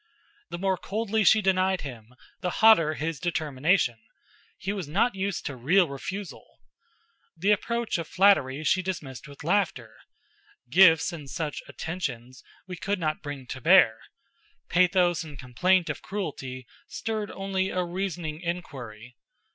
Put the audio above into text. The more coldly she denied him, the hotter his determination; he was not used to real refusal. The approach of flattery she dismissed with laughter, gifts and such "attentions" we could not bring to bear, pathos and complaint of cruelty stirred only a reasoning inquiry.